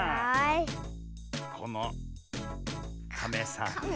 このカメさんと。